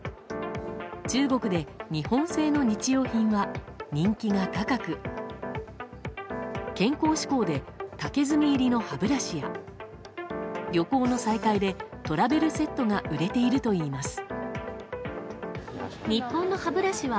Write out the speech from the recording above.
中国で日本製の日用品は人気が高く健康志向で竹炭入りの歯ブラシや旅行の再開でトラベルセットが売れているといいます。